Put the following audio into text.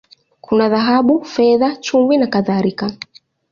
Kuna dhahabu, fedha, chumvi, na kadhalika.